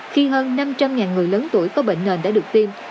khi hơn năm trăm linh người lớn tuổi có bệnh nền đã được tiêm